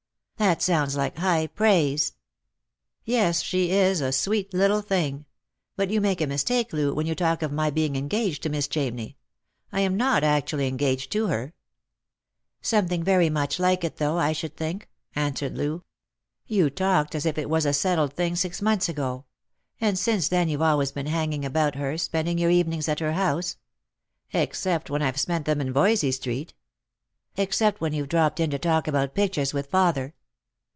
" That sounds like high praise." " Yes, she is a sweet little thing. But you make a mistake, Loo, when you talk of my being engaged to Miss Chamney. I am not actually engaged to her." " Something very much like it though, I should think," an swered Loo. " You talked as if it was a settled thing six months ago; and since then you've been always hanging about her, spending your evenings at her house." " Except when I've spent them in Voysey street." " Except when you've dropped in to talk about pictures with father."